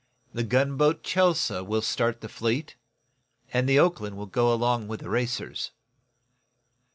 The gunboat, 'Chelsea' will start the fleet, and the 'Oakland' will go along with the racers."